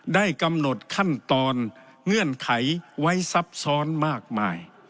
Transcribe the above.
ได้กำหนดขั้นตอนเงื่อนไขไว้ซับซ้อนมากมาย